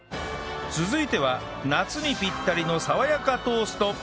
続いては夏にピッタリの爽やかトースト